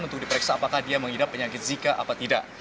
untuk diperiksa apakah dia mengidap penyakit zika atau tidak